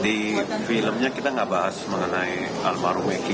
di filmnya kita nggak bahas mengenai almarhum week